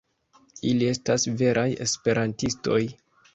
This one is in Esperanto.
Ili estas veraj Esperantistoj!